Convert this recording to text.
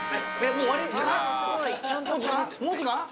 もう時間？